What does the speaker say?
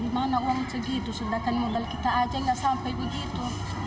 mungkin lah pak dari mana uang segitu sedangkan modal kita aja nggak sampai begitu